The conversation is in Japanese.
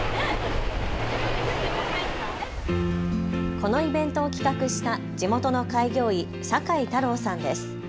このイベントを企画した地元の開業医、酒井太郎さんです。